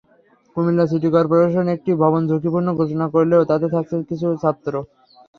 Comilla city corporation একটি ভবন ঝুঁকিপূর্ণ ঘোষণা করলেও তাতে থাকছেন কিছু ছাত্র।